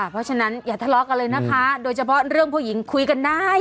เพราะฉะนั้นอย่าทะเลาะกันเลยนะคะโดยเฉพาะเรื่องผู้หญิงคุยกันได้